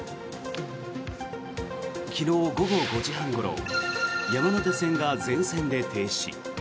昨日午後５時半ごろ山手線が全線で停止。